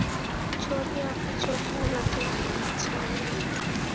যদি আপনি চোখ বোলাতে চান।